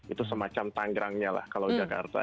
itu semacam tanggrangnya lah kalau jakarta